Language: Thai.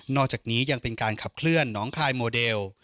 อกจากนี้ยังเป็นการขับเคลื่อนน้องคายโมเดล